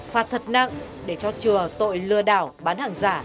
phạt thật nặng để cho chừa tội lừa đảo bán hàng giả